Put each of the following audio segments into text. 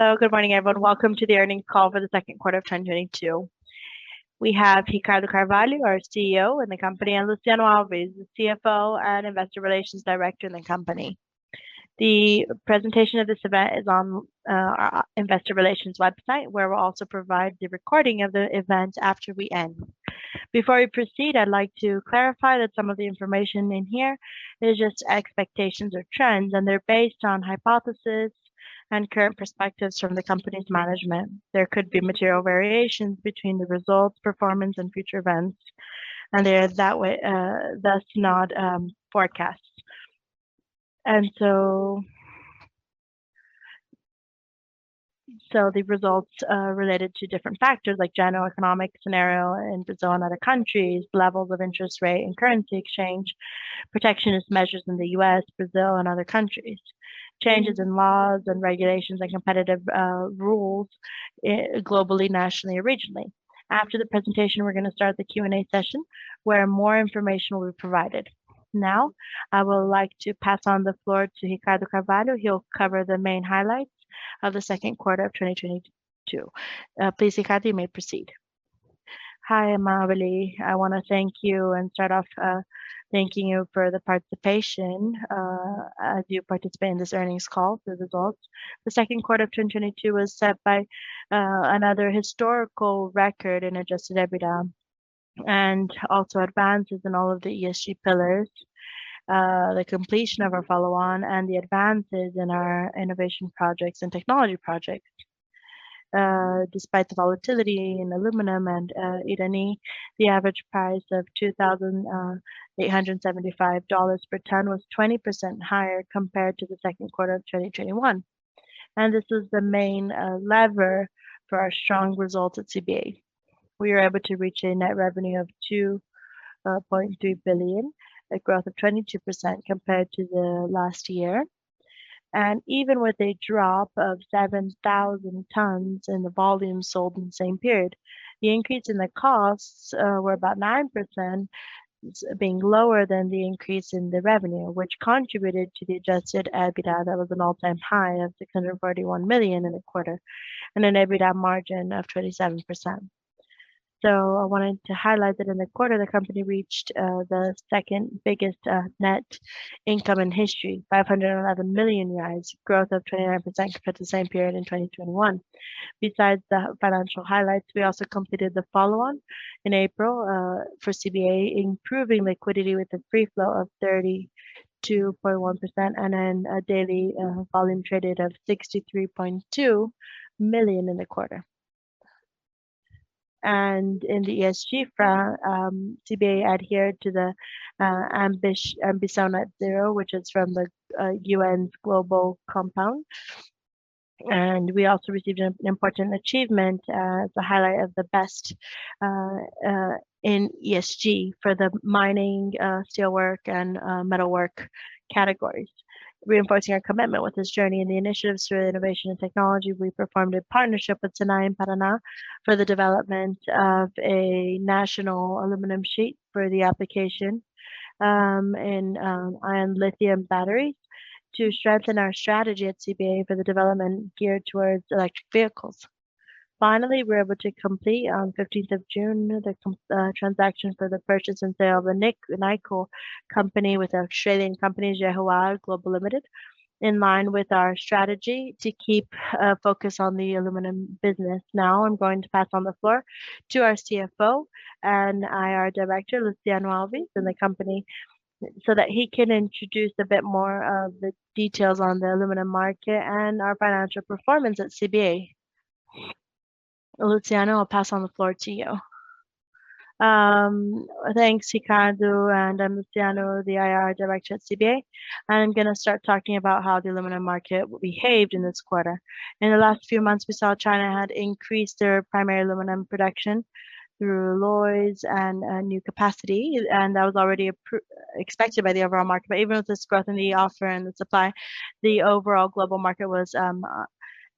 Good morning, everyone. Welcome to the earnings call for the second quarter of 2022. We have Ricardo Carvalho, our CEO in the company, and Luciano Alves, the CFO and investor relations director in the company. The presentation of this event is on our investor relations website, where we'll also provide the recording of the event after we end. Before we proceed, I'd like to clarify that some of the information in here is just expectations or trends, and they're based on hypotheses and current perspectives from the company's management. There could be material variations between the results, performance, and future events, and they're that way, thus not forecasts. The results related to different factors like general economic scenario in Brazil and other countries, levels of interest rates and currency exchange, protectionist measures in the U.S., Brazil, and other countries. Changes in laws and regulations and competitive rules globally, nationally, and regionally. After the presentation, we're gonna start the Q&A session, where more information will be provided. Now, I would like to pass on the floor to Ricardo Carvalho. He'll cover the main highlights of the second quarter of 2022. Please, Ricardo, you may proceed. Hi, Amabile. I wanna thank you and start off thanking you for the participation as you participate in this earnings call, the results. The second quarter of 2022 was set by another historical record in adjusted EBITDA and also advances in all of the ESG pillars. The completion of our follow-on and the advances in our innovation projects and technology projects. Despite the volatility in aluminum and iron, the average price of $2,875 per ton was 20% higher compared to the second quarter of 2021. This is the main lever for our strong results at CBA. We are able to reach a net revenue of 2.3 billion, a growth of 22% compared to the last year. Even with a drop of 7,000 tons in the volume sold in the same period, the increase in the costs were about 9%, being lower than the increase in the revenue, which contributed to the adjusted EBITDA. That was an all-time high of 641 million in the quarter and an EBITDA margin of 27%. I wanted to highlight that in the quarter, the company reached the second-biggest net income in history, 511 million, growth of 29% compared to the same period in 2021. Besides the financial highlights, we also completed the follow-on in April for CBA, improving liquidity with a free float of 32.1% and then a daily volume traded of 63.2 million in the quarter. In the ESG front, CBA adhered to the Ambition Net Zero, which is from the UN's Global Compact. We also received an important achievement, the highlight of the best in ESG for the mining, steelwork, and metalwork categories. Reinforcing our commitment with this journey and the initiatives through innovation and technology, we performed a partnership with Senai in Paraná for the development of a national aluminum sheet for the application in lithium-ion batteries to strengthen our strategy at CBA for the development geared towards electric vehicles. Finally, we're able to complete on June 15 the transaction for the purchase and sale of the Nickel company with a trading company, Jehua Global Limited, in line with our strategy to keep focus on the aluminum business. Now I'm going to pass on the floor to our CFO and IR Director, Luciano Alves, in the company so that he can introduce a bit more of the details on the aluminum market and our financial performance at CBA. Luciano, I'll pass on the floor to you. Thanks, Ricardo. I'm Luciano, the IR director at CBA. I'm gonna start talking about how the aluminum market behaved in this quarter. In the last few months, we saw China had increased their primary aluminum production through alloys and new capacity, and that was already expected by the overall market. Even with this growth in the offer and the supply, the overall global market was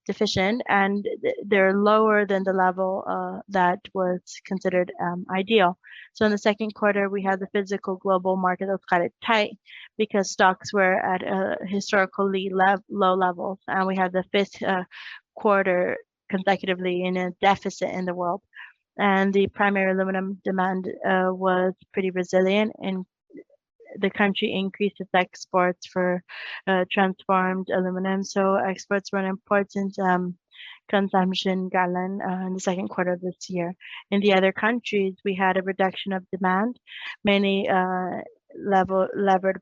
deficient, and they're lower than the level that was considered ideal. In the second quarter, we had the physical global market was tight because stocks were at a historically low level, and we had the fifth quarter consecutively in a deficit in the world. The primary aluminum demand was pretty resilient, and the country increased its exports for transformed aluminum. Exports were an important consumption channel in the second quarter of this year. In the other countries, we had a reduction of demand, mainly led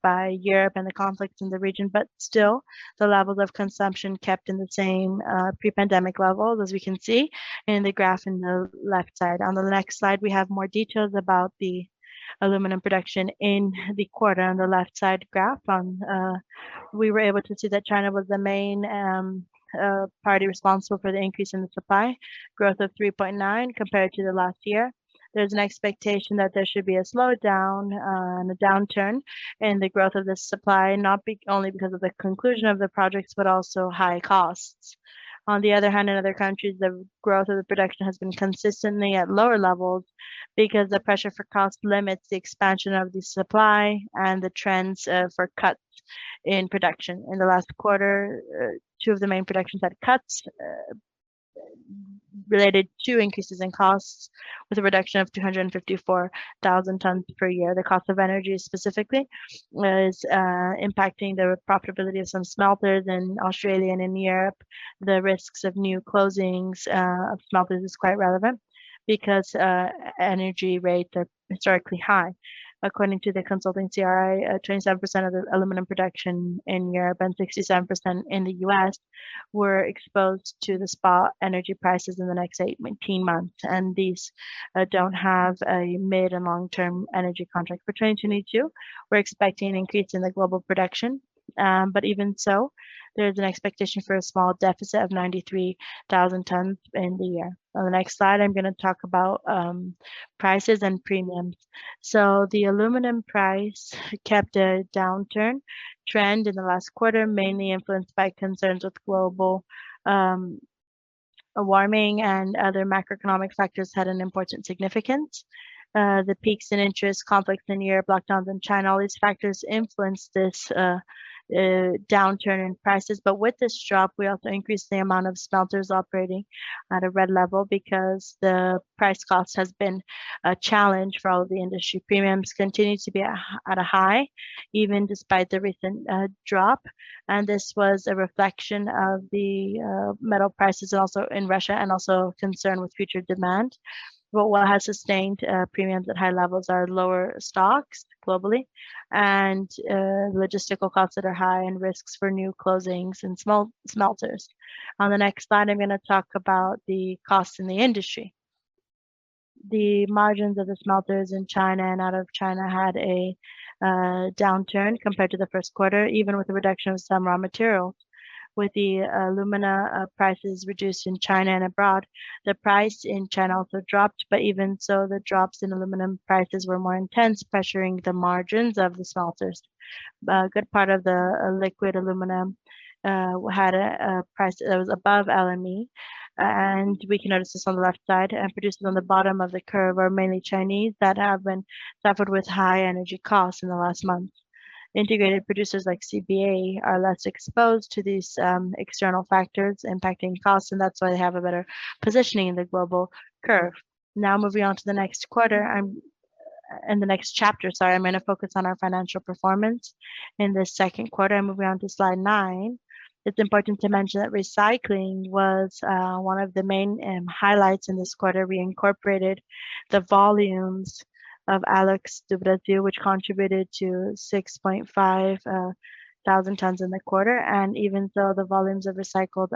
by Europe and the conflicts in the region, but still the levels of consumption kept at the same pre-pandemic levels as we can see in the graph on the left side. On the next slide, we have more details about the aluminum production in the quarter on the left side graph. We were able to see that China was the main party responsible for the increase in the supply, growth of 3.9 compared to the last year. There's an expectation that there should be a slowdown and a downturn in the growth of this supply, not only because of the conclusion of the projects, but also high costs. On the other hand, in other countries, the growth of the production has been consistently at lower levels because the pressure for cost limits the expansion of the supply and the trends for cuts in production. In the last quarter, two of the main productions had cuts related to increases in costs with a reduction of 254,000 tons per year, the cost of energy specifically was impacting the profitability of some smelters in Australia and in Europe. The risks of new closings of smelters is quite relevant because energy rates are historically high. According to the consulting CRU, 27% of the aluminum production in Europe and 67% in the U.S. were exposed to the spot energy prices in the next 8-10 months. These don't have a mid- and long-term energy contract for 2022. We're expecting an increase in the global production, but even so, there's an expectation for a small deficit of 93,000 tons in the year. On the next slide, I'm gonna talk about prices and premiums. The aluminum price kept a downturn trend in the last quarter, mainly influenced by concerns with global warming and other macroeconomic factors had an important significance. Interest rate hikes, conflicts in Europe, lockdowns in China, all these factors influenced this downturn in prices. With this drop, we also increased the amount of smelters operating at a red level because the price cost has been a challenge for all the industry. Premiums continued to be at a high, even despite the recent drop, and this was a reflection of the metal prices also in Russia and also concern with future demand. What has sustained premiums at high levels are lower stocks globally and logistical costs that are high and risks for new closings and smelters. On the next slide, I'm gonna talk about the cost in the industry. The margins of the smelters in China and out of China had a downturn compared to the first quarter, even with the reduction of some raw material. With the alumina prices reduced in China and abroad, the price in China also dropped, but even so, the drops in aluminum prices were more intense, pressuring the margins of the smelters. A good part of the liquid aluminum had a price that was above LME, and we can notice this on the left side. Producers on the bottom of the curve are mainly Chinese that have been suffered with high energy costs in the last month. Integrated producers like CBA are less exposed to these external factors impacting costs, and that's why they have a better positioning in the global curve. Now moving on to the next quarter, in the next chapter, sorry, I'm gonna focus on our financial performance in the second quarter, moving on to slide nine. It's important to mention that recycling was one of the main highlights in this quarter. We incorporated the volumes of Alux do Brasil, which contributed to 6,500 tons in the quarter. Even though the volumes of recycled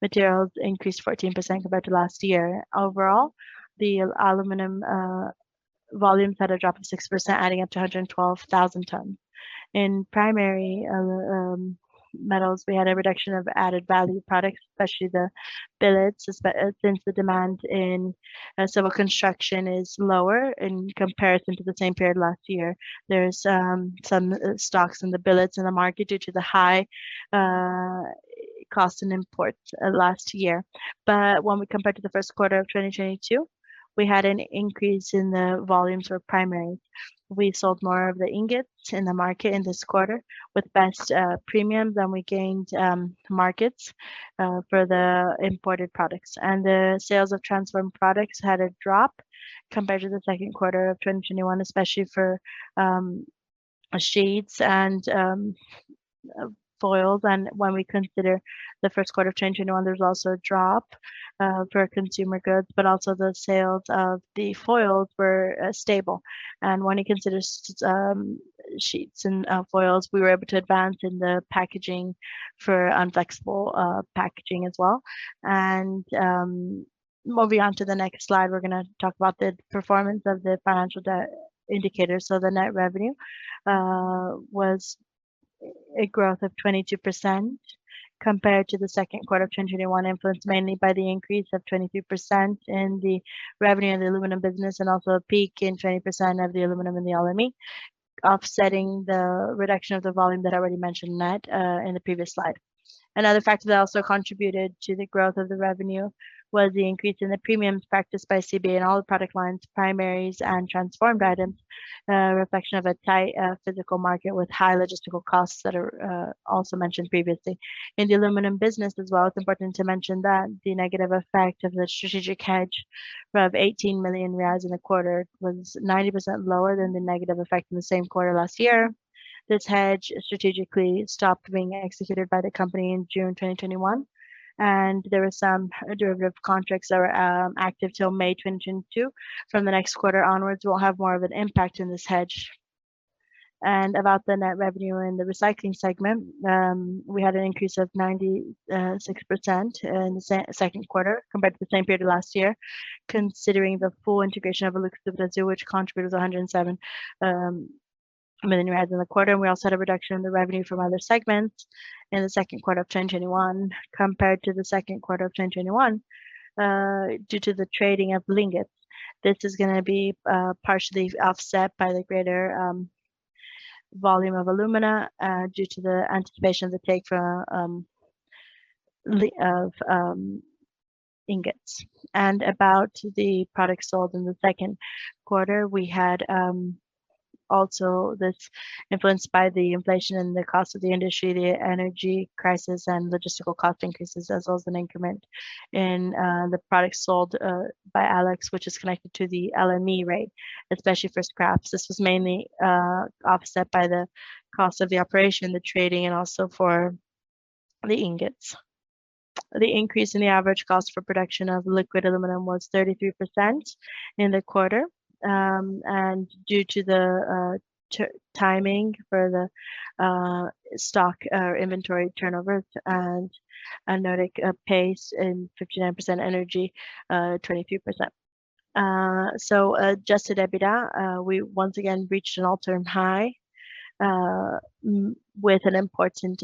materials increased 14% compared to last year, overall, the aluminum volumes had a drop of 6%, adding up to 112,000 tons. In primary metals, we had a reduction of added value products, especially the billets, since the demand in civil construction is lower in comparison to the same period last year. There's some stocks in the billets in the market due to the high costs in imports last year. When we compare to the first quarter of 2022, we had an increase in the volumes for primary. We sold more of the ingots in the market in this quarter with best premiums, and we gained markets for the imported products. The sales of transformed products had a drop compared to the second quarter of 2021, especially for sheets and foils. When we consider the first quarter of 2021, there's also a drop for consumer goods, but also the sales of the foils were stable. When you consider sheets and foils, we were able to advance in the packaging for flexible packaging as well. Moving on to the next slide, we're gonna talk about the performance of the financial indicators. The net revenue was a growth of 22% compared to the second quarter of 2021, influenced mainly by the increase of 22% in the revenue of the aluminum business and also a peak in 20% of the aluminum in the LME, offsetting the reduction of the volume that I already mentioned, Matt, in the previous slide. Another factor that also contributed to the growth of the revenue was the increase in the premiums practiced by CBA in all the product lines, primaries and transformed items, a reflection of a tight physical market with high logistical costs that are also mentioned previously. In the aluminum business as well, it's important to mention that the negative effect of the strategic hedge of BRL 18 million in the quarter was 90% lower than the negative effect in the same quarter last year. This hedge strategically stopped being executed by the company in June 2021, and there were some derivative contracts that were active till May 2022. From the next quarter onwards, we'll have more of an impact in this hedge. About the net revenue in the recycling segment, we had an increase of 96% in the second quarter compared to the same period last year, considering the full integration of Alux do Brasil, which contributed 107 million reais in the quarter. We also had a reduction in the revenue from other segments in the second quarter of 2021 compared to the second quarter of 2021 due to the trading of ingots. This is gonna be partially offset by the greater volume of alumina due to the anticipation of the take from of ingots. About the products sold in the second quarter, we had. Also that's influenced by the inflation and the cost of the industry, the energy crisis, and logistical cost increases, as well as an increment in the products sold by Alux, which is connected to the LME rate, especially for scraps. This was mainly offset by the cost of the operation, the trading, and also for the ingots. The increase in the average cost for production of liquid aluminum was 33% in the quarter. Due to the timing for the stock or inventory turnover at an anode paste and 59% energy, 22%. Adjusted EBITDA, we once again reached an all-time high with an important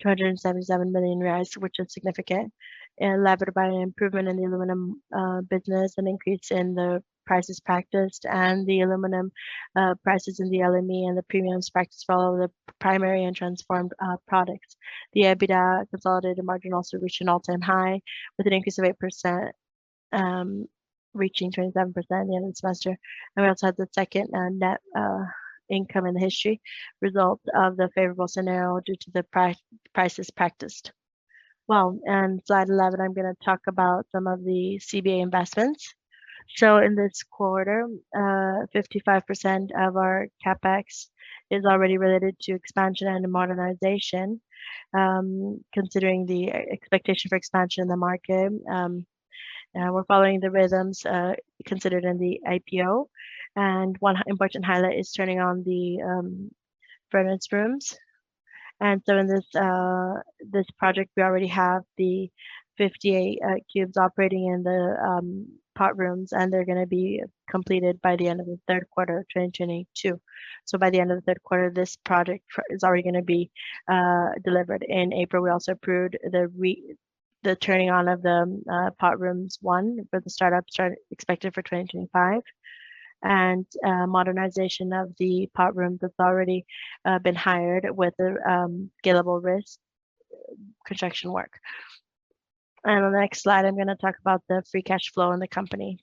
277 million, which is significant, and levered by an improvement in the aluminum business, an increase in the prices practiced and the aluminum prices in the LME and the premiums practiced for the primary and transformed products. The consolidated EBITDA margin also reached an all-time high with an increase of 8%, reaching 27% in the semester. We also had the second net income in history, result of the favorable scenario due to the prices practiced. Well, in slide 11, I'm gonna talk about some of the CBA investments. In this quarter, 55% of our CapEx is already related to expansion and modernization, considering the expectation for expansion in the market, we're following the rhythms considered in the IPO. One important highlight is turning on the pot rooms. In this project, we already have the 58 pots operating in the pot rooms, and they're gonna be completed by the end of the third quarter of 2022. By the end of the third quarter, this project is already gonna be delivered. In April, we also approved the turning on of the pot rooms one for the startup expected for 2025. Modernization of the pot rooms has already been hired with a scalable risk construction work. On the next slide, I'm gonna talk about the free cash flow in the company.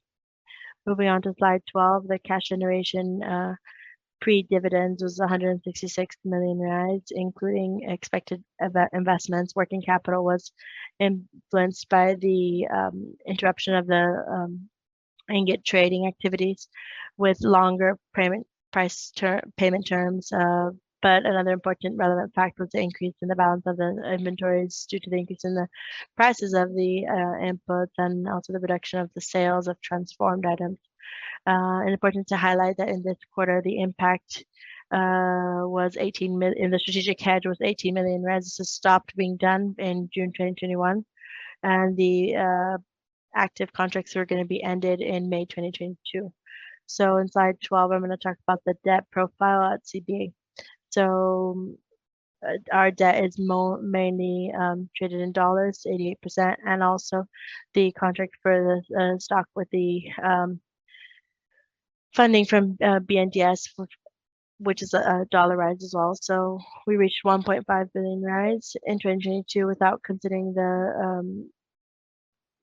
Moving on to slide 12, the cash generation pre-dividends was 166 million, including expected investments. Working capital was influenced by the interruption of the ingot trading activities with longer payment terms. Another important relevant factor was the increase in the balance of the inventories due to the increase in the prices of the inputs and also the reduction of the sales of transformed items. Important to highlight that in this quarter, the impact in the strategic hedge was BRL 18 million. This has stopped being done in June 2021, and the active contracts are gonna be ended in May 2022. In slide 12, I'm gonna talk about the debt profile at CBA. Our debt is mainly traded in dollars, 88%, and also the contract for the stock with the funding from BNDES, which is dollarized as well. We reached 1.5 billion in 2022 without considering the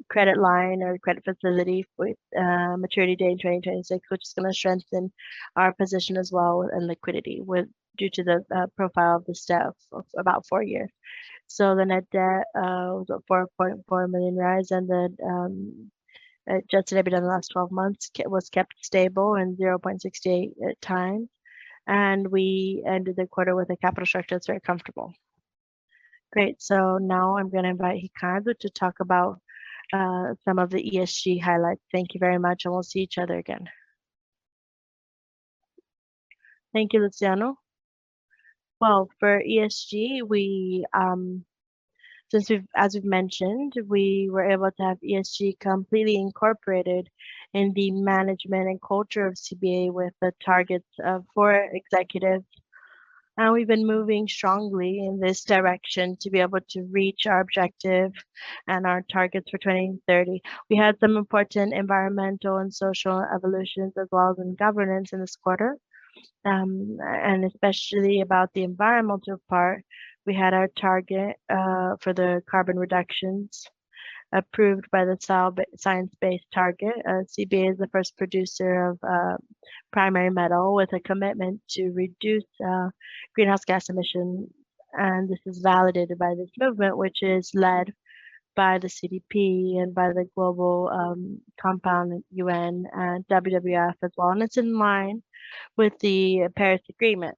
credit line or credit facility with maturity date in 2026, which is gonna strengthen our position as well in liquidity due to the profile of the sales, so it's about four years. The net debt was at 4.4 million, and the adjusted EBITDA in the last 12 months was kept stable and 0.68 times. We ended the quarter with a capital structure that's very comfortable. Great. Now I'm gonna invite Ricardo to talk about some of the ESG highlights. Thank you very much, and we'll see each other again. Thank you, Luciano. For ESG, we, as we've mentioned, were able to have ESG completely incorporated in the management and culture of CBA with the targets of four executives. We've been moving strongly in this direction to be able to reach our objective and our targets for 2030. We had some important environmental and social evolutions as well as in governance in this quarter. Especially about the environmental part, we had our target for the carbon reductions approved by the Science Based Targets. CBA is the first producer of primary metal with a commitment to reduce greenhouse gas emission, and this is validated by this movement, which is led by the CDP and by the Global Compact, U.N., and WWF as well, and it's in line with the Paris Agreement.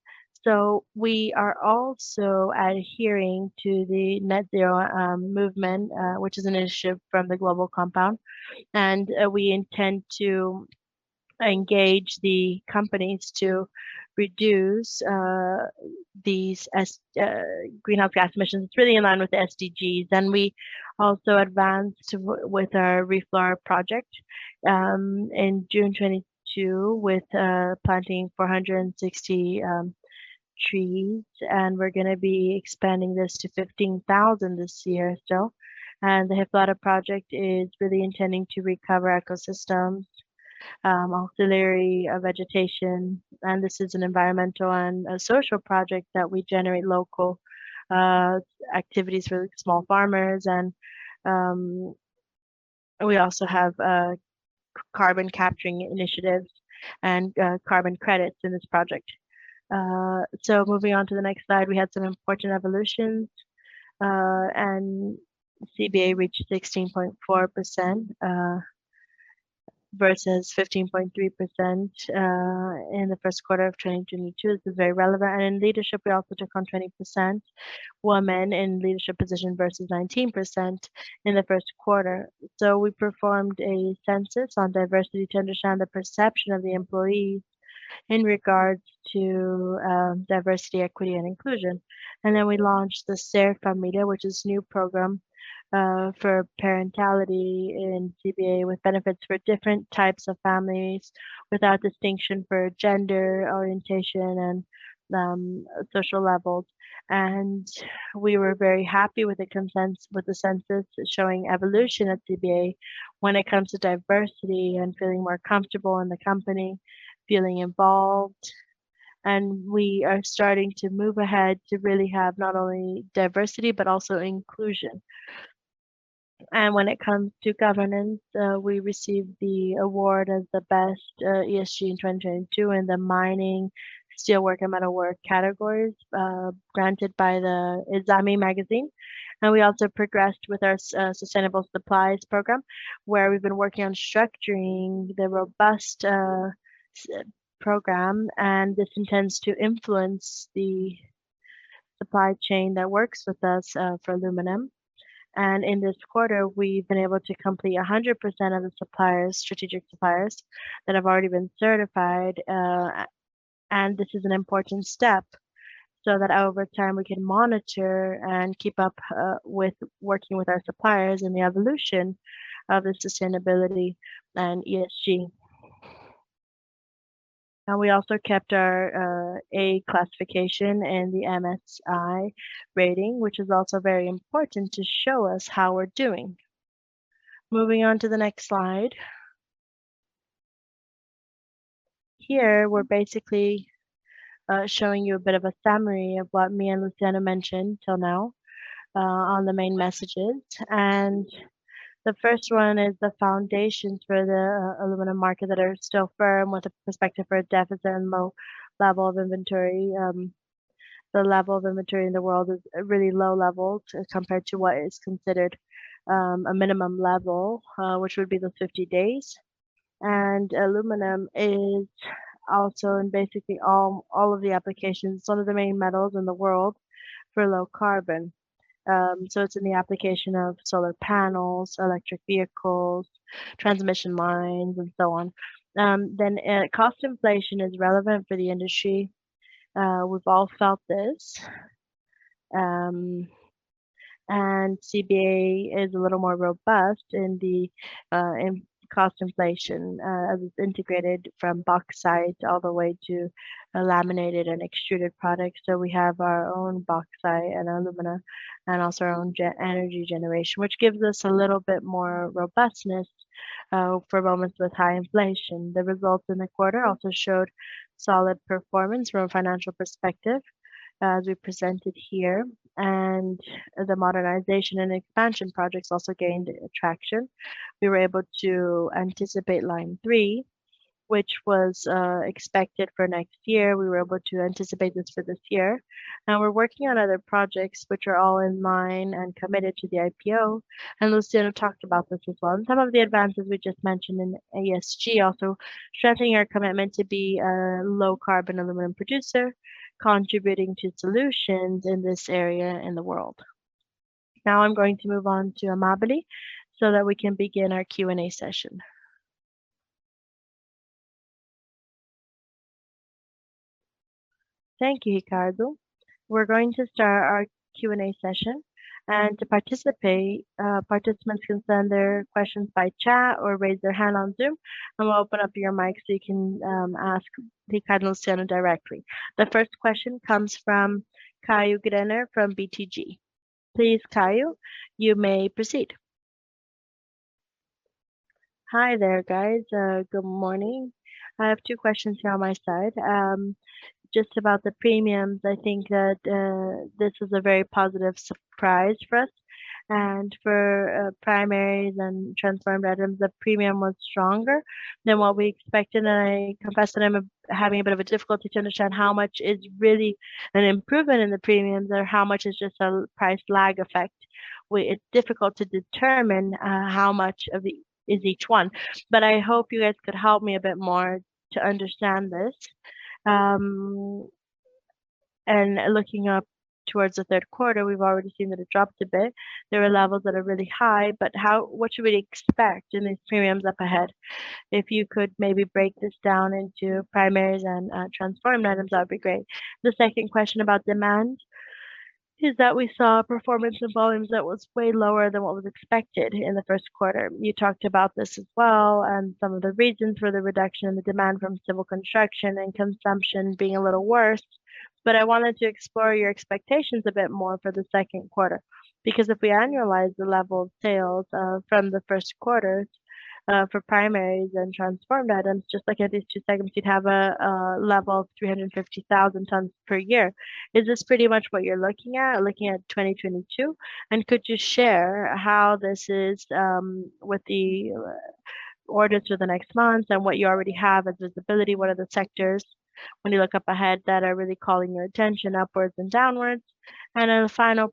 We are also adhering to the net zero movement, which is an initiative from the Global Compact. We intend to engage the companies to reduce these greenhouse gas emissions. It's really in line with the SDGs. We also advanced with our Reflora project in June 2022 with planting 460 trees, and we're gonna be expanding this to 15,000 this year still. The Reflora project is really intending to recover ecosystems, native vegetation, and this is an environmental and a social project that we generate local activities for small farmers and we also have carbon capturing initiatives and carbon credits in this project. Moving on to the next slide, we had some important evolutions and CBA reached 16.4% versus 15.3% in the first quarter of 2022. This is very relevant. In leadership, we also took on 20% women in leadership position versus 19% in the first quarter. We performed a census on diversity to understand the perception of the employees in regards to diversity, equity, and inclusion. We launched the Ser Família, which is new program for parentality in CBA with benefits for different types of families without distinction for gender orientation and social levels. We were very happy with the census showing evolution at CBA when it comes to diversity and feeling more comfortable in the company, feeling involved. We are starting to move ahead to really have not only diversity, but also inclusion. When it comes to governance, we received the award as the best ESG in 2022 in the mining, steel work, and metal work categories, granted by the Exame magazine. We also progressed with our sustainable supplies program, where we've been working on structuring the robust program. This intends to influence the supply chain that works with us for aluminum. In this quarter, we've been able to complete 100% of the suppliers, strategic suppliers that have already been certified. This is an important step so that over time we can monitor and keep up with working with our suppliers in the evolution of the sustainability and ESG. We also kept our A classification and the MSCI rating, which is also very important to show us how we're doing. Moving on to the next slide. Here, we're basically showing you a bit of a summary of what me and Luciano mentioned till now, on the main messages. The first one is the foundations for the aluminum market that are still firm with a perspective for a deficit and low level of inventory. The level of inventory in the world is a really low level compared to what is considered, a minimum level, which would be the 50 days. Aluminum is also in basically all of the applications, one of the main metals in the world for low carbon. It's in the application of solar panels, electric vehicles, transmission lines, and so on. Cost inflation is relevant for the industry. We've all felt this. CBA is a little more robust in cost inflation, as it's integrated from bauxite all the way to a laminated and extruded product. We have our own bauxite and alumina, and also our own energy generation, which gives us a little bit more robustness, for moments with high inflation. The results in the quarter also showed solid performance from a financial perspective, as we presented here. The modernization and expansion projects also gained traction. We were able to anticipate line three, which was expected for next year. We were able to anticipate this for this year. Now we're working on other projects which are all in line and committed to the IPO. Luciano talked about this as well. Some of the advances we just mentioned in ESG, also stressing our commitment to be a low carbon aluminum producer contributing to solutions in this area in the world. Now I'm going to move on to Amabile so that we can begin our Q&A session. Thank you, Ricardo. We're going to start our Q&A session. To participate, participants can send their questions by chat or raise their hand on Zoom, and we'll open up your mic, so you can ask Ricardo and Luciano directly. The first question comes from Caio Greiner from BTG. Please, Caio, you may proceed. Hi there, guys. Good morning. I have two questions here on my side. Just about the premiums, I think that this was a very positive surprise for us. For primaries and transformed items, the premium was stronger than what we expected. I confess that I'm having a bit of a difficulty to understand how much is really an improvement in the premiums or how much is just a price lag effect. It's difficult to determine how much of the is each one. I hope you guys could help me a bit more to understand this. Looking up towards the third quarter, we've already seen that it dropped a bit. There are levels that are really high, but what should we expect in these premiums up ahead? If you could maybe break this down into primaries and transformed items, that would be great. The second question about demand is that we saw a performance of volumes that was way lower than what was expected in the first quarter. You talked about this as well, and some of the reasons for the reduction in the demand from civil construction and consumption being a little worse. I wanted to explore your expectations a bit more for the second quarter. Because if we annualize the level of sales from the first quarter for primaries and transformed items, just like at these two segments, you'd have a level of 350,000 tons per year. Is this pretty much what you're looking at, looking at 2022? Could you share how this is with the orders for the next months and what you already have as visibility? What are the sectors when you look up ahead that are really calling your attention upwards and downwards? Then a final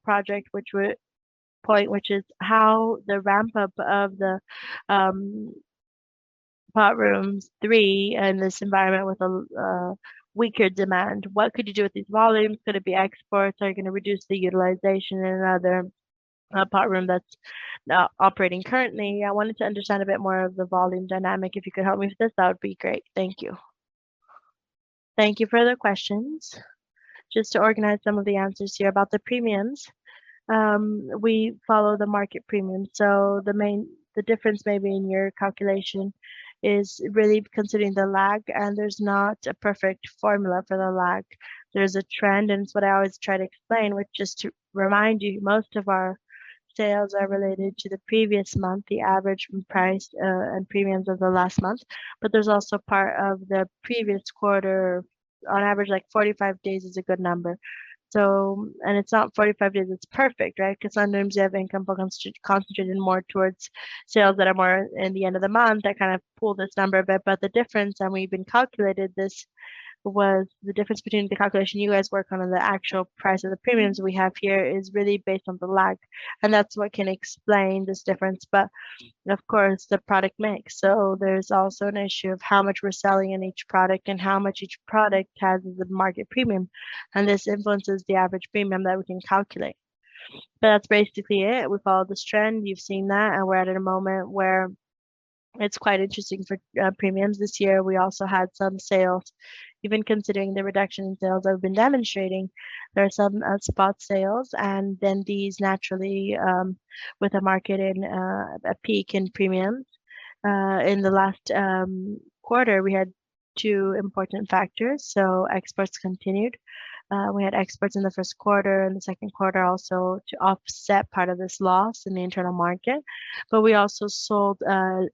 point which is how the ramp up of the pot rooms three and this environment with a weaker demand, what could you do with these volumes? Could it be exports? Are you gonna reduce the utilization in another pot room that's now operating currently? I wanted to understand a bit more of the volume dynamic. If you could help me with this, that would be great. Thank you. Thank you for the questions. Just to organize some of the answers here about the premiums. We follow the market premium. The main difference maybe in your calculation is really considering the lag. There's not a perfect formula for the lag. There's a trend, and it's what I always try to explain, which just to remind you, most of our sales are related to the previous month, the average price, and premiums of the last month. There's also part of the previous quarter. On average, like 45 days is a good number. It's not 45 days, it's perfect, right? 'Cause sometimes you have income concentrated more towards sales that are more in the end of the month that kind of pull this number a bit. The difference, and we've been calculating this, was the difference between the calculation you guys work on and the actual price of the premiums we have here is really based on the lag, and that's what can explain this difference. Of course, the product mix. There's also an issue of how much we're selling in each product and how much each product has the market premium. This influences the average premium that we can calculate. That's basically it. We follow this trend. You've seen that, and we're at a moment where it's quite interesting for premiums this year. We also had some sales. Even considering the reduction in sales I've been demonstrating, there are some spot sales and then these naturally with a market in a peak in premiums. In the last quarter, we had two important factors. Exports continued. We had exports in the first quarter and the second quarter also to offset part of this loss in the internal market. We also sold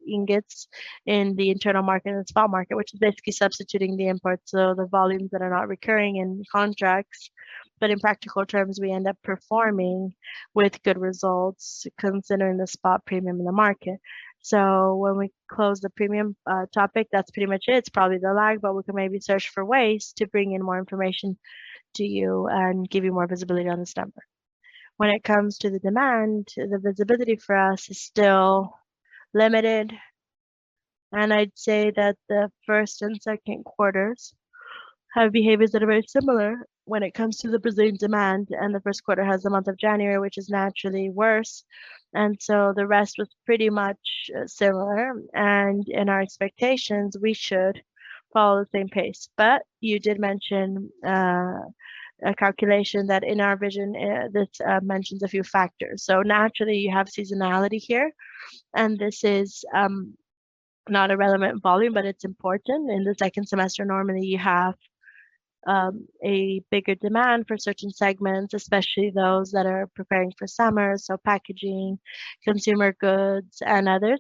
ingots in the internal market and the spot market, which is basically substituting the imports. The volumes that are not recurring in contracts, but in practical terms, we end up performing with good results considering the spot premium in the market. When we close the premium topic, that's pretty much it. It's probably the lag, but we can maybe search for ways to bring in more information to you and give you more visibility on this number. When it comes to the demand, the visibility for us is still limited. I'd say that the first and second quarters have behaviors that are very similar when it comes to the Brazilian demand. The first quarter has the month of January, which is naturally worse. The rest was pretty much similar. In our expectations, we should follow the same pace. You did mention a calculation that in our vision mentions a few factors. Naturally, you have seasonality here, and this is not a relevant volume, but it's important. In the second semester, normally you have a bigger demand for certain segments, especially those that are preparing for summer. Packaging, consumer goods, and others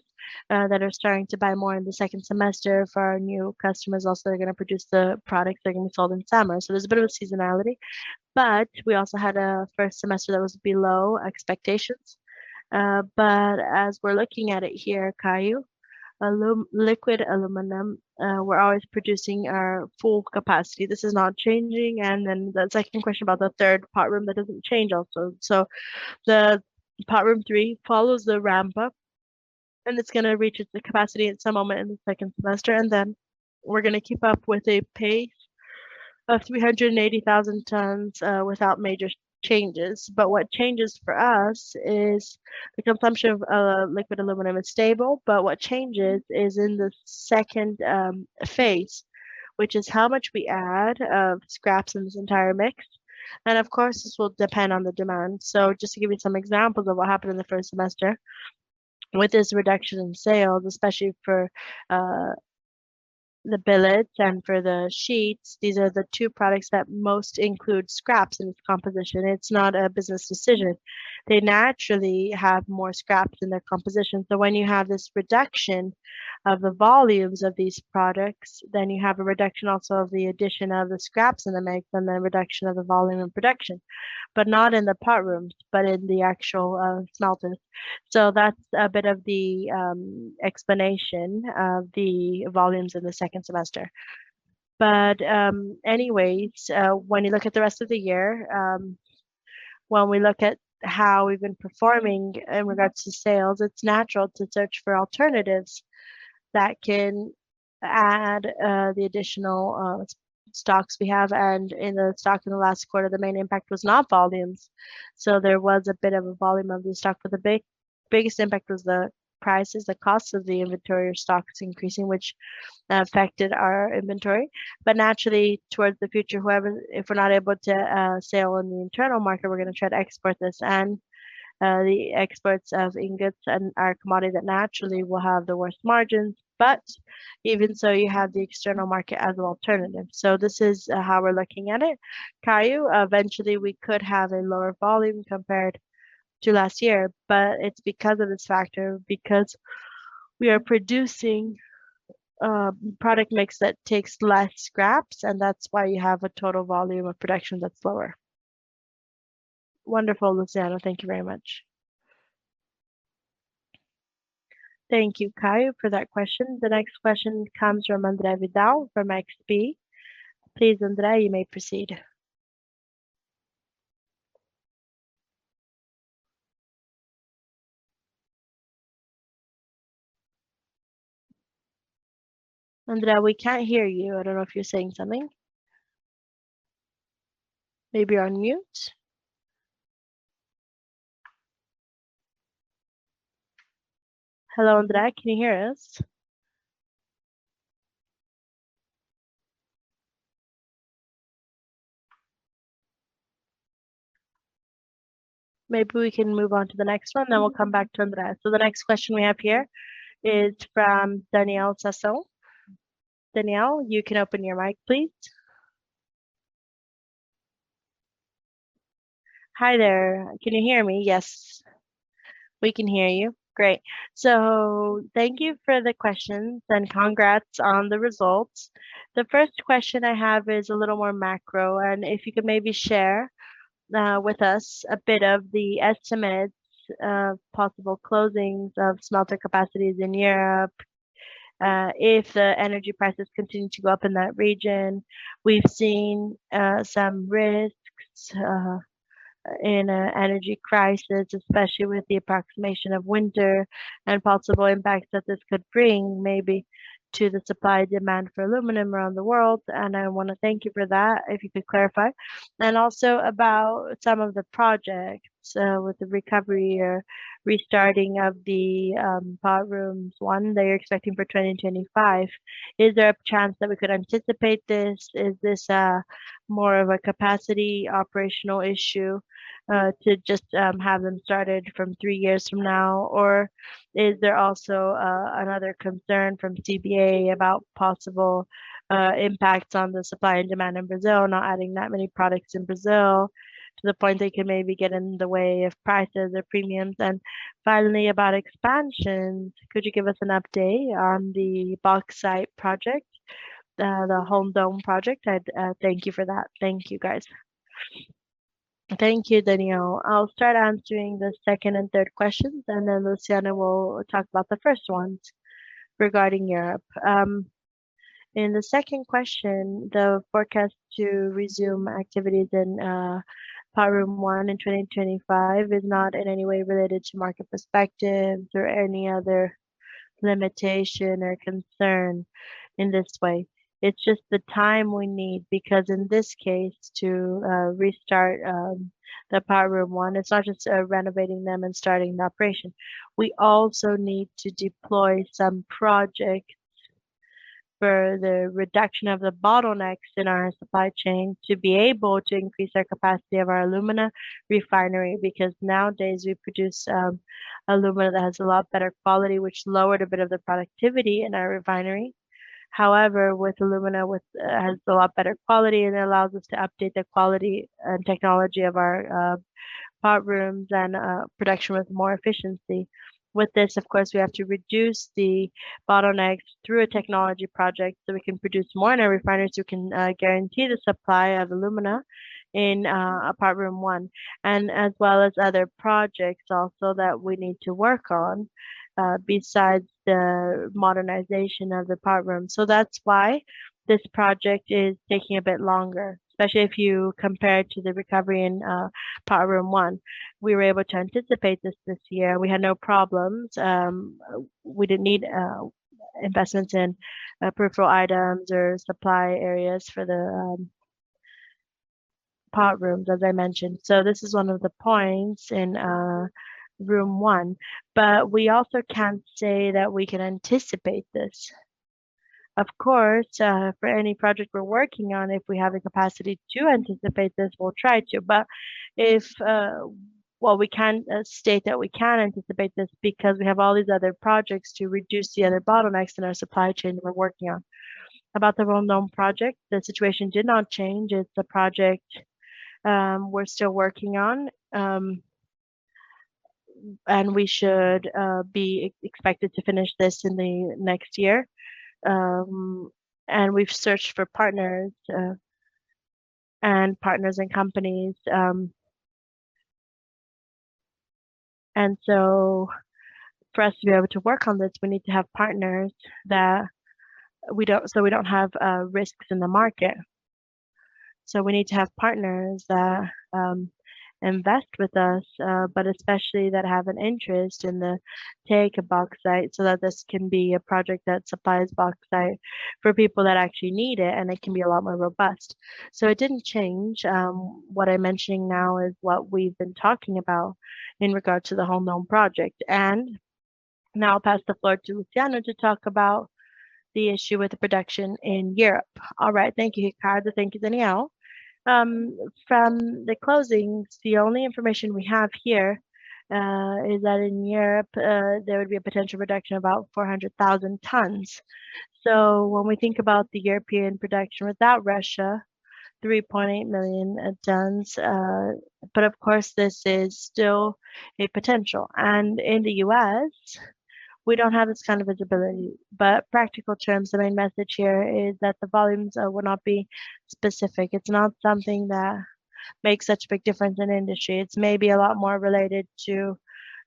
that are starting to buy more in the second semester for our new customers. Also, they're gonna produce the products that are gonna be sold in summer. There's a bit of seasonality. We also had a first semester that was below expectations. As we're looking at it here, Caio, liquid aluminum, we're always producing our full capacity. This is not changing. The second question about the third pot room, that doesn't change also. The pot room three follows the ramp up, and it's gonna reach its capacity at some moment in the second semester, and then we're gonna keep up with a pace of 380,000 tons without major changes. What changes for us is the consumption of liquid aluminum is stable. What changes is in the second phase, which is how much we add of scraps in this entire mix. Of course, this will depend on the demand. Just to give you some examples of what happened in the first semester with this reduction in sales, especially for the billets and for the sheets. These are the two products that most include scraps in its composition. It's not a business decision. They naturally have more scraps in their composition. When you have this reduction of the volumes of these products, then you have a reduction also of the addition of the scraps in the mix and the reduction of the volume in production. Not in the pot rooms, but in the actual smelters. That's a bit of the explanation of the volumes in the second semester. When you look at the rest of the year, when we look at how we've been performing in regards to sales, it's natural to search for alternatives that can add the additional stocks we have. In the stock in the last quarter, the main impact was not volumes. There was a bit of a volume of the stock, but the biggest impact was the prices. The cost of the inventory or stock is increasing, which affected our inventory. Naturally, towards the future, if we're not able to sell in the internal market, we're gonna try to export this. The exports of ingots and our commodity that naturally will have the worst margins. Even so, you have the external market as an alternative. This is how we're looking at it, Caio. Eventually, we could have a lower volume compared to last year, but it's because of this factor, because we are producing product mix that takes less scraps, and that's why you have a total volume of production that's lower. Wonderful, Luciano. Thank you very much. Thank you, Caio, for that question. The next question comes from André Vidal from XP. Please, Andre, you may proceed. Andre, we can't hear you. I don't know if you're saying something. Maybe you're on mute. Hello, Andre, can you hear us? Maybe we can move on to the next one, then we'll come back to Andre. The next question we have here is from Daniel Sasson. Daniel, you can open your mic, please. Hi there. Can you hear me? Yes, we can hear you. Great. Thank you for the questions, and congrats on the results. The first question I have is a little more macro, and if you could maybe share with us a bit of the estimates of possible closings of smelter capacities in Europe if the energy prices continue to go up in that region. We've seen some risks in a energy crisis, especially with the approximation of winter and possible impacts that this could bring maybe to the supply-demand for aluminum around the world, and I wanna thank you for that, if you could clarify. Also about some of the projects with the recovery or restarting of the pot rooms one that you're expecting for 2025. Is there a chance that we could anticipate this? Is this more of a capacity operational issue to just have them started from three years from now? Is there also another concern from CBA about possible impacts on the supply and demand in Brazil, not adding that many products in Brazil to the point they can maybe get in the way of prices or premiums? Finally, about expansions, could you give us an update on the bauxite project, the Rondon project? I'd thank you for that. Thank you, guys. Thank you, Daniel. I'll start answering the second and third questions, and then Luciano will talk about the first ones regarding Europe. In the second question, the forecast to resume activities in pot room one in 2025 is not in any way related to market perspectives or any other limitation or concern in this way. It's just the time we need because in this case to restart the pot room one. It's not just renovating them and starting the operation. We also need to deploy some projects for the reduction of the bottlenecks in our supply chain to be able to increase our capacity of our alumina refinery because nowadays we produce alumina that has a lot better quality, which lowered a bit of the productivity in our refinery. However, with alumina which has a lot better quality and allows us to update the quality and technology of our pot rooms and production with more efficiency. With this, of course, we have to reduce the bottlenecks through a technology project so we can produce more in our refineries. We can guarantee the supply of alumina in pot room one and as well as other projects also that we need to work on besides the modernization of the pot room. That's why this project is taking a bit longer, especially if you compare it to the recovery in pot room one. We were able to anticipate this year. We had no problems. We didn't need investments in peripheral items or supply areas for the pot rooms, as I mentioned. This is one of the points in pot room one. We also can't say that we can anticipate this. Of course, for any project we're working on, if we have a capacity to anticipate this, we'll try to. If, well, we can state that we can anticipate this because we have all these other projects to reduce the other bottlenecks in our supply chain that we're working on. About the Rondon project, the situation did not change. It's a project we're still working on, and we should be expected to finish this in the next year. And we've searched for partners, and partners in companies, and so for us to be able to work on this, we need to have partners that we don't have risks in the market. We need to have partners that invest with us, but especially that have an interest in the take of bauxite so that this can be a project that supplies bauxite for people that actually need it, and it can be a lot more robust. It didn't change. What I'm mentioning now is what we've been talking about in regards to the Rondon project. Now I'll pass the floor to Luciano to talk about the issue with the production in Europe. All right. Thank you, Ricardo. Thank you, Daniel. From the closings, the only information we have here is that in Europe there would be a potential reduction of about 400,000 tons. When we think about the European production without Russia, 3.8 million tons. But of course, this is still a potential. In the U.S., we don't have this kind of visibility. In practical terms, the main message here is that the volumes will not be specific. It's not something that makes such a big difference in industry. It's maybe a lot more related to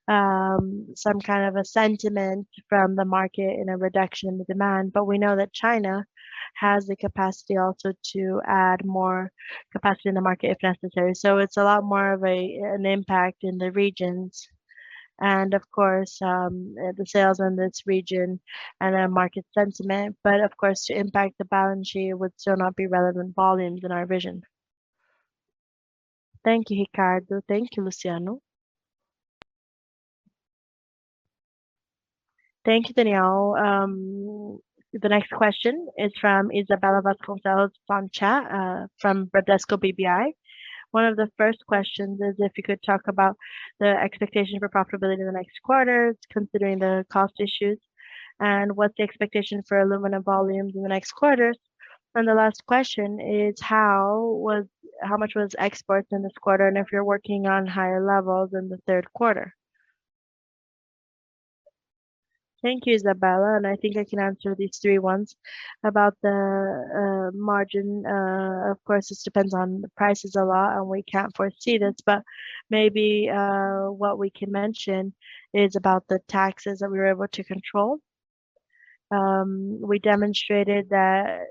some kind of a sentiment from the market in a reduction in the demand. We know that China has the capacity also to add more capacity in the market if necessary. It's a lot more of an impact in the regions and of course, the sales in this region and a market sentiment. Of course, to impact the balance sheet would still not be relevant volumes in our vision. Thank you, Ricardo. Thank you, Luciano. Thank you, Daniel. The next question is from Isabella Vasconcelos from Bradesco BBI. One of the first questions is if you could talk about the expectation for profitability in the next quarters, considering the cost issues, and what's the expectation for aluminum volumes in the next quarters. The last question is, how much was exports in this quarter, and if you're working on higher levels in the third quarter? Thank you, Isabella, and I think I can answer these three ones. About the margin, of course, this depends on the prices a lot, and we can't foresee this. Maybe, what we can mention is about the taxes that we were able to control. We demonstrated that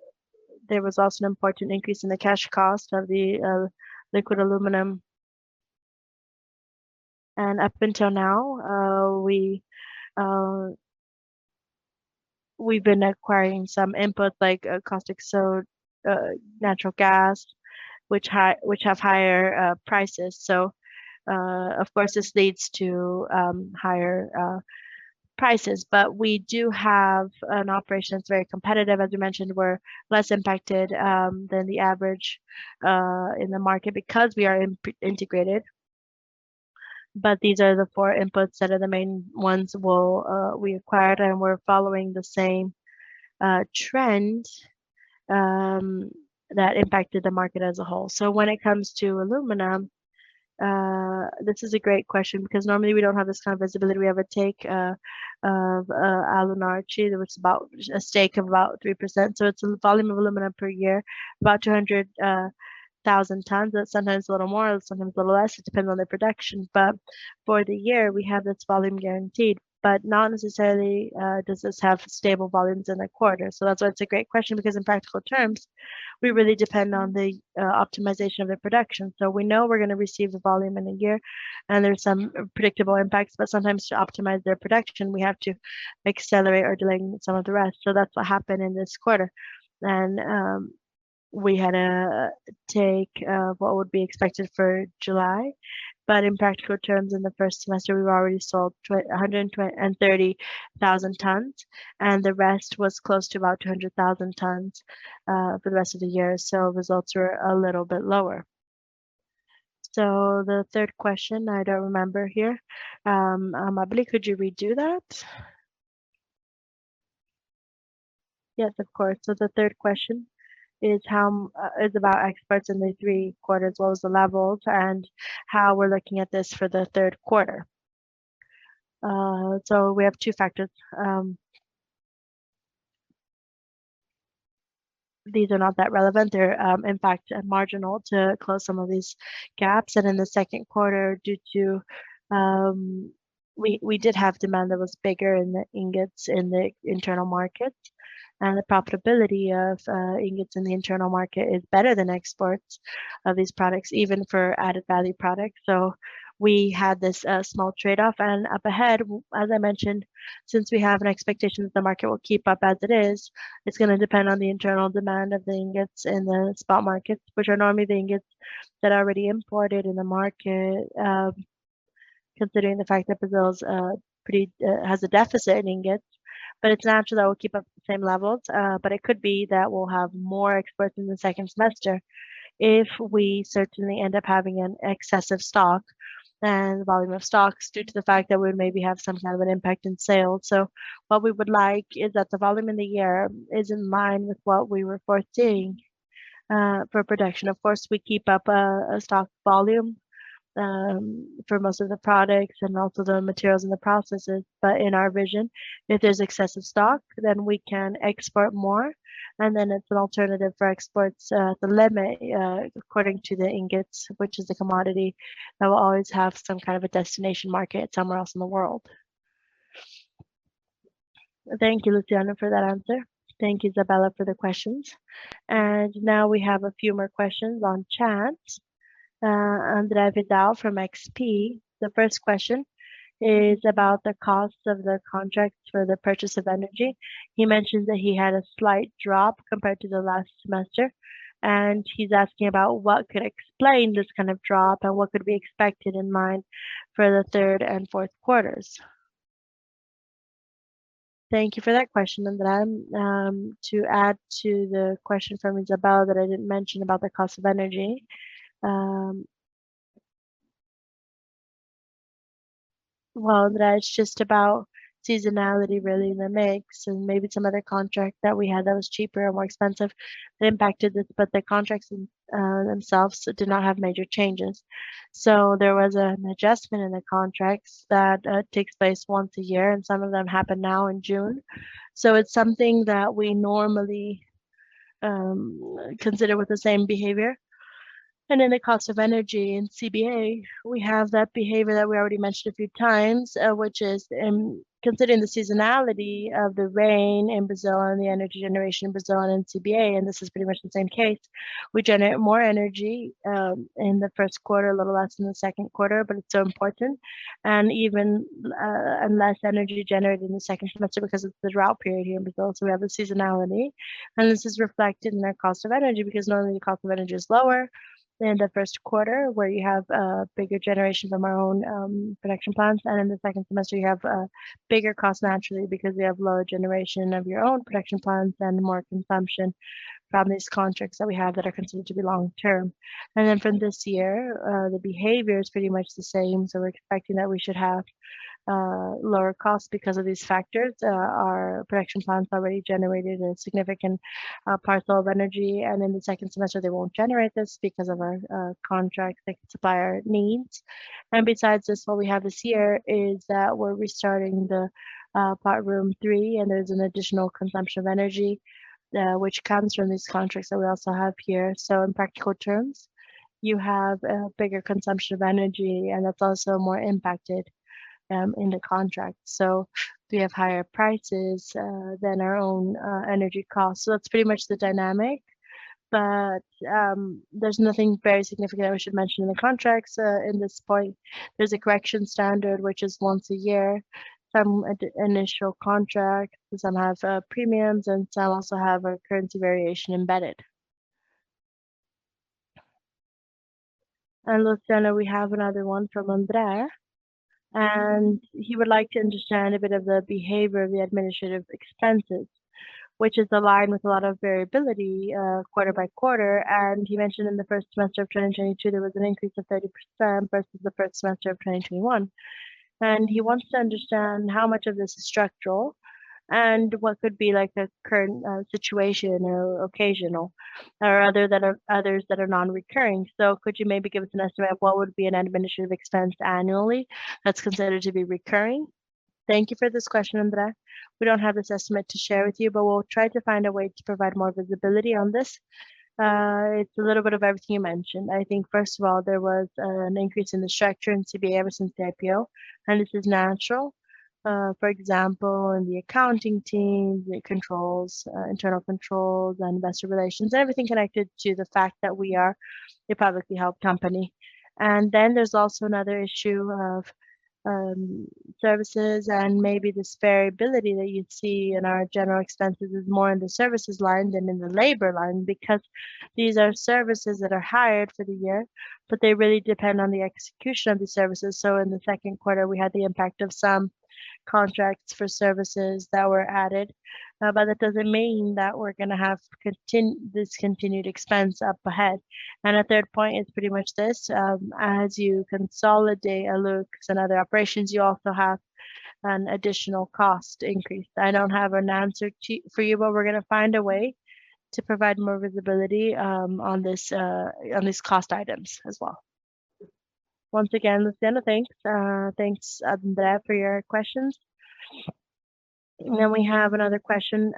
there was also an important increase in the cash cost of the liquid aluminum. Up until now, we've been acquiring some inputs like caustic soda, natural gas, which have higher prices. Of course, this leads to higher prices. We do have an operation that's very competitive. As you mentioned, we're less impacted than the average in the market because we are integrated. These are the four inputs that are the main ones we acquired, and we're following the same trend that impacted the market as a whole. When it comes to aluminum, this is a great question because normally we don't have this kind of visibility. We have a stake in Alunorte that was about 3%. It's a volume of aluminum per year, about 200,000 tons. That's sometimes a little more, sometimes a little less. It depends on the production. For the year, we have this volume guaranteed. Not necessarily does this have stable volumes in the quarter. That's why it's a great question, because in practical terms, we really depend on the optimization of the production. We know we're gonna receive the volume in a year, and there's some predictable impacts. Sometimes to optimize their production, we have to accelerate or delay some of the rest. That's what happened in this quarter. We had an intake of what would be expected for July. In practical terms, in the first semester, we've already sold 130,000 tons, and the rest was close to about 200,000 tons for the rest of the year. Results were a little bit lower. The third question, I don't remember here. Amabile, could you redo that? Yes, of course. The third question is about exports in the three quarters, as well as the levels and how we're looking at this for the third quarter. We have two factors. These are not that relevant. They're, in fact, marginal to close some of these gaps. In the second quarter, due to, we did have demand that was bigger in the ingots in the internal market. The profitability of ingots in the internal market is better than exports of these products, even for added value products. We had this small trade-off. Up ahead, as I mentioned, since we have an expectation that the market will keep up as it is, it's gonna depend on the internal demand of the ingots in the spot markets, which are normally the ingots that are already imported in the market. Considering the fact that Brazil has a deficit in ingots, but it's natural that we'll keep up the same levels. It could be that we'll have more exports in the second semester if we certainly end up having an excessive stock and volume of stocks due to the fact that we maybe have some kind of an impact in sales. What we would like is that the volume in the year is in line with what we were foreseeing for production. Of course, we keep up a stock volume for most of the products and also the materials in the processes. In our vision, if there's excessive stock, then we can export more, and then it's an alternative for exports. The limit, according to the ingots, which is a commodity that will always have some kind of a destination market somewhere else in the world. Thank you, Luciano, for that answer. Thank you, Isabella, for the questions. Now we have a few more questions on chat. André Vidal from XP, the first question is about the cost of the contracts for the purchase of energy. He mentioned that he had a slight drop compared to the last semester, and he's asking about what could explain this kind of drop, and what could be expected in mind for the third and fourth quarters. Thank you for that question, André. To add to the question from Isabella that I didn't mention about the cost of energy. Well, that's just about seasonality really in the mix and maybe some other contract that we had that was cheaper or more expensive that impacted it, but the contracts themselves did not have major changes. There was an adjustment in the contracts that takes place once a year, and some of them happen now in June. It's something that we normally consider with the same behavior. Then the cost of energy in CBA, we have that behavior that we already mentioned a few times, which is in considering the seasonality of the rain in Brazil and the energy generation in Brazil and CBA, and this is pretty much the same case. We generate more energy in the first quarter, a little less in the second quarter, but it's so important and even less energy generated in the second semester because of the drought period here in Brazil, so we have the seasonality. This is reflected in our cost of energy because normally the cost of energy is lower in the first quarter where you have bigger generations of our own production plants. In the second semester you have a bigger cost naturally because we have lower generation of our own production plants and more consumption from these contracts that we have that are considered to be long-term. From this year the behavior is pretty much the same, so we're expecting that we should have lower costs because of these factors. Our production plants already generated a significant parcel of energy, and in the second semester they won't generate this because of our contractual supplier needs. Besides this, what we have this year is that we're restarting the pot room three, and there's an additional consumption of energy which comes from these contracts that we also have here. In practical terms, you have a bigger consumption of energy, and that's also more impacted in the contract. We have higher prices than our own energy costs. That's pretty much the dynamic. There's nothing very significant I should mention in the contracts at this point. There's a correction standard which is once a year from an initial contract. Some have premiums and some also have a currency variation embedded. Luciano, we have another one from André, and he would like to understand a bit of the behavior of the administrative expenses, which is in line with a lot of variability quarter by quarter. He mentioned in the first semester of 2022 there was an increase of 30% versus the first semester of 2021. He wants to understand how much of this is structural and what could be like the current situation or occasional or others that are non-recurring. Could you maybe give us an estimate of what would be an administrative expense annually that's considered to be recurring? Thank you for this question, André. We don't have this estimate to share with you, but we'll try to find a way to provide more visibility on this. It's a little bit of everything you mentioned. I think first of all, there was an increase in the structure in CBA ever since the IPO, and this is natural. For example, in the accounting team, the controls, internal controls and investor relations, everything connected to the fact that we are a publicly held company. There's also another issue of services and maybe this variability that you'd see in our general expenses is more in the services line than in the labor line because these are services that are hired for the year, but they really depend on the execution of the services. In the second quarter we had the impact of some contracts for services that were added. But that doesn't mean that we're gonna have this continued expense up ahead. A third point is pretty much this, as you consolidate Alux's and other operations, you also have an additional cost increase. I don't have an answer for you, but we're gonna find a way to provide more visibility on this, on these cost items as well. Once again, Luciano, thanks. Thanks, Andre, for your questions. We have another question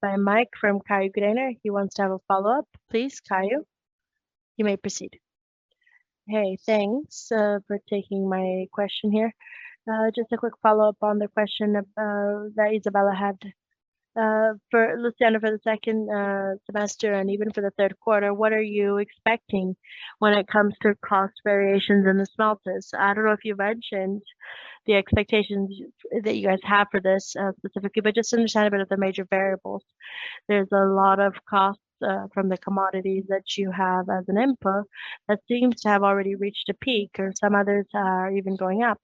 by Mike from Caio Greiner. He wants to have a follow-up. Please, Caio, you may proceed. Hey, thanks for taking my question here. Just a quick follow-up on the question that Isabella had. For Luciano for the second semester and even for the third quarter, what are you expecting when it comes to cost variations in the smelters? I don't know if you mentioned the expectations that you guys have for this, specifically, but just understand a bit of the major variables. There's a lot of costs from the commodities that you have as an input that seems to have already reached a peak and some others are even going up.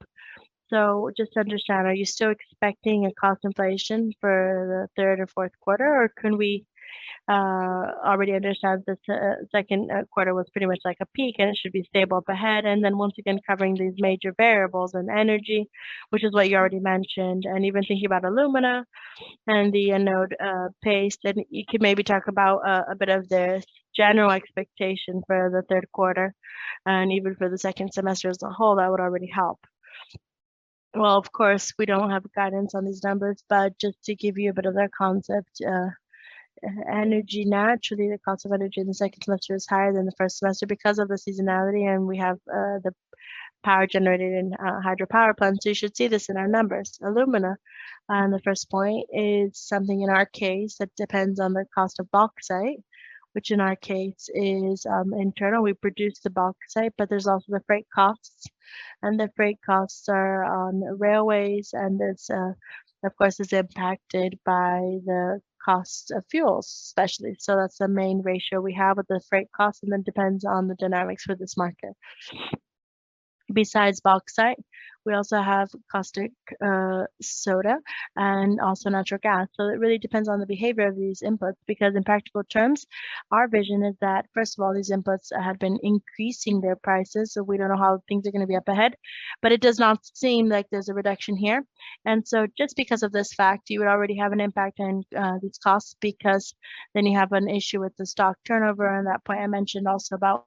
Just to understand, are you still expecting a cost inflation for the third or fourth quarter, or can we already understand that the second quarter was pretty much like a peak and it should be stable up ahead? Then once again, covering these major variables and energy, which is what you already mentioned, and even thinking about alumina and the anode paste, and you could maybe talk about a bit of the general expectation for the third quarter and even for the second semester as a whole. That would already help. Well, of course, we don't have guidance on these numbers, but just to give you a bit of the concept, energy, naturally the cost of energy in the second semester is higher than the first semester because of the seasonality and we have, the power generated in, hydropower plants. You should see this in our numbers. Alumina, in the first point is something in our case that depends on the cost of bauxite, which in our case is, internal. We produce the bauxite, but there's also the freight costs, and the freight costs are on railways, and it's, of course, impacted by the cost of fuels especially. That's the main ratio we have with the freight cost, and then depends on the dynamics for this market. Besides bauxite, we also have caustic soda and also natural gas. It really depends on the behavior of these inputs, because in practical terms, our vision is that first of all, these inputs have been increasing their prices, so we don't know how things are gonna be up ahead, but it does not seem like there's a reduction here. Just because of this fact, you would already have an impact on these costs because then you have an issue with the stock turnover. That point I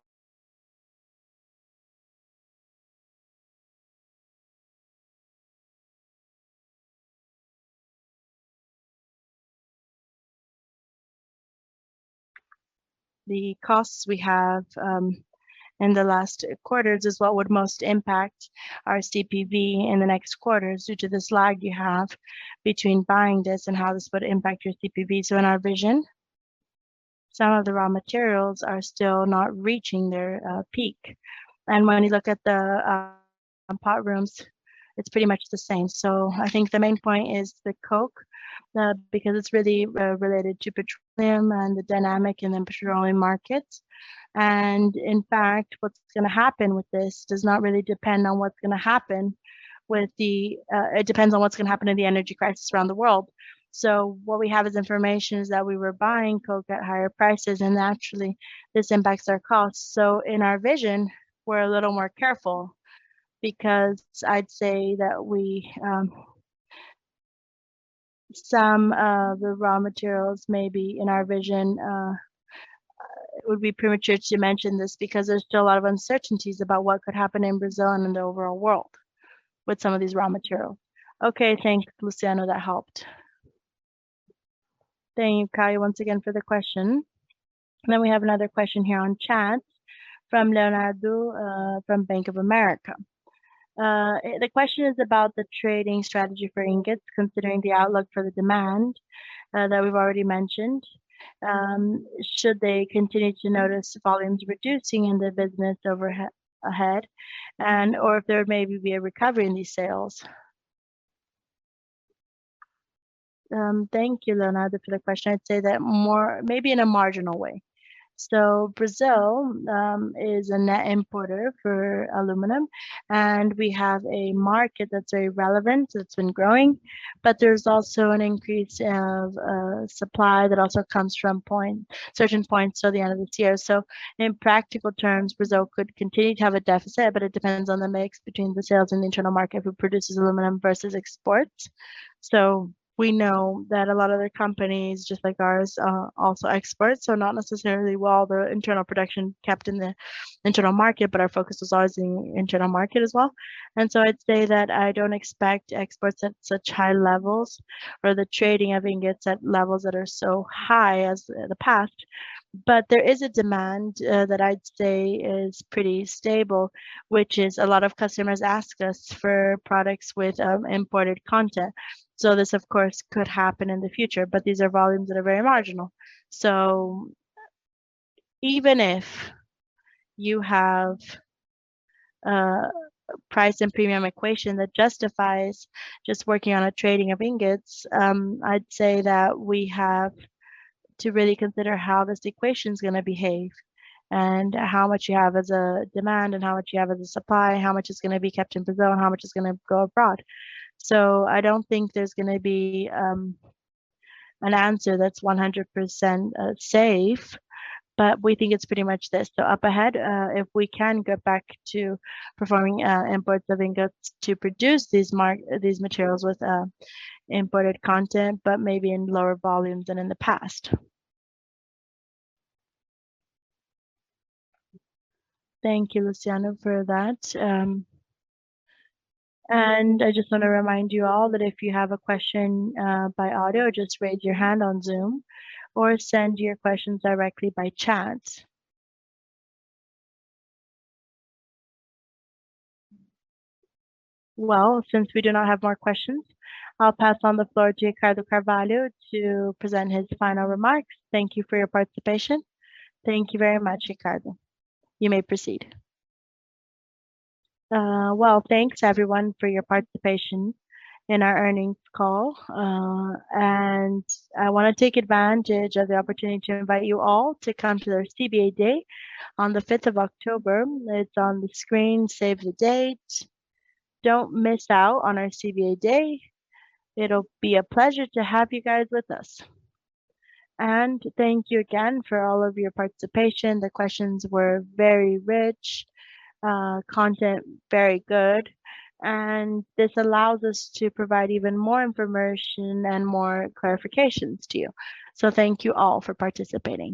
mentioned also about the costs we have in the last quarters is what would most impact our CPV in the next quarters due to the slide you have between buying this and how this would impact your CPV. In our vision, some of the raw materials are still not reaching their peak. When you look at the pot rooms, it's pretty much the same. I think the main point is the coke, because it's really related to petroleum and the dynamic in the petroleum markets. In fact, what's gonna happen with this does not really depend on what's gonna happen with the. It depends on what's gonna happen in the energy crisis around the world. What we have as information is that we were buying coke at higher prices, and actually this impacts our costs. In our vision, we're a little more careful because I'd say that we, some of the raw materials may be in our vision, it would be premature to mention this because there's still a lot of uncertainties about what could happen in Brazil and in the overall world with some of these raw materials. Okay. Thank you, Luciano. That helped. Thank you, Caio, once again for the question. We have another question here on chat from Leonardo, from Bank of America. The question is about the trading strategy for ingots, considering the outlook for the demand that we've already mentioned, should they continue to notice volumes reducing in the business over ahead and/or if there may be a recovery in these sales? Thank you, Leonardo, for the question. I'd say that more maybe in a marginal way. Brazil is a net importer for aluminum, and we have a market that's very relevant, it's been growing, but there's also an increase of supply that also comes from certain points till the end of the year. In practical terms, Brazil could continue to have a deficit, but it depends on the mix between the sales and the internal market who produces aluminum versus exports. We know that a lot of the companies, just like ours, also export, so not necessarily will all the internal production kept in the internal market, but our focus is always in internal market as well. I don't expect exports at such high levels or the trading of ingots at levels that are so high as the past. There is a demand that I'd say is pretty stable, which is a lot of customers ask us for products with imported content. This, of course, could happen in the future, but these are volumes that are very marginal. Even if you have a price and premium equation that justifies just working on a trading of ingots, I'd say that we have to really consider how this equation is gonna behave and how much you have as a demand and how much you have as a supply, how much is gonna be kept in Brazil, and how much is gonna go abroad. I don't think there's gonna be an answer that's 100%, safe, but we think it's pretty much this. Up ahead, if we can get back to performing imports of ingots to produce these materials with imported content, but maybe in lower volumes than in the past. Thank you, Luciano, for that. I just wanna remind you all that if you have a question, by audio, just raise your hand on Zoom or send your questions directly by chat. Well, since we do not have more questions, I'll pass on the floor to Ricardo Carvalho to present his final remarks. Thank you for your participation. Thank you very much, Ricardo. You may proceed. Well, thanks everyone for your participation in our earnings call. I wanna take advantage of the opportunity to invite you all to come to our CBA Day on the 5th of October. It's on the screen, save the date. Don't miss out on our CBA Day. It'll be a pleasure to have you guys with us. Thank you again for all of your participation. The questions were very rich content, very good, and this allows us to provide even more information and more clarifications to you. Thank you all for participating.